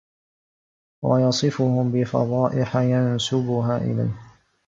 وَيَصِفُهُ بِفَضَائِحَ يَنْسُبُهَا إلَيْهِ